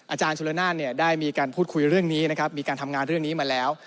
อาจารย์สุรนานได้มีการพูดคุยเรื่องนี้นะครับมีการทำงานเรื่องนี้มาแล้ว